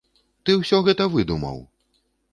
Ты ўсё гэта выдумаў!